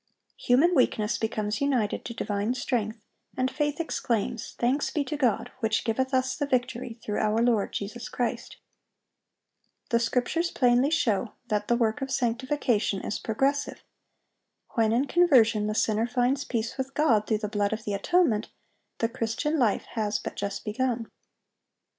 Human weakness becomes united to divine strength, and faith exclaims, "Thanks be to God, which giveth us the victory through our Lord Jesus Christ."(800) The Scriptures plainly show that the work of sanctification is progressive. When in conversion the sinner finds peace with God through the blood of the atonement, the Christian life has but just begun.